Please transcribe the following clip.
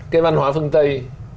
cái văn hóa phương tây